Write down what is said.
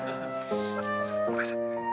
シ。ごめんなさい。